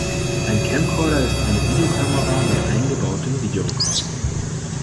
Ein Camcorder ist eine Videokamera mit eingebautem Videorekorder.